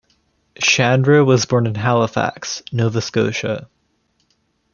Shandro was born in Halifax, Nova Scotia.